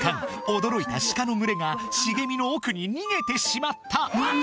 驚いたシカの群れが茂みの奥に逃げてしまったわあ